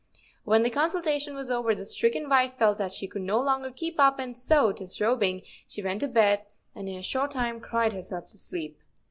When the consultation was over the stricken wife felt that she could no longer keep up, and so, dis¬ robing, she went to bed, and, in a short time, cried herself to sleep.